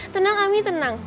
tenang ami tenang